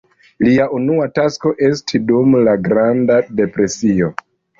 Lia unua tasko esti dum la Granda Depresio.